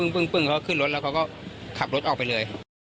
ปึ้งเขาก็ขึ้นรถแล้วเขาก็ขับรถออกไปเลย